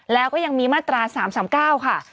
แล้วก็ยังมีมาตรา๓๓๙ค่ะ